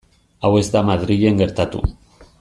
Hau ez da Madrilen gertatu.